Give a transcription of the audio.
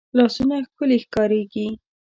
لاسونه ښکلې ښکارېږي